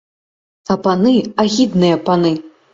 А паны, агідныя паны!